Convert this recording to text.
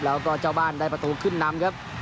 แล้วก็เจ้าบ้านได้ประตูขึ้นนำครับ